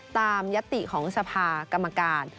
ตามยศติของสภากรรมการ